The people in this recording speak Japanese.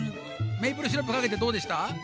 メープルシロップかけてどうでした？